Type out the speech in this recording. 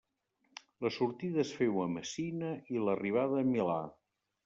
La sortida es féu a Messina i l'arribada a Milà.